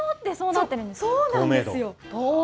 そうなんですよ。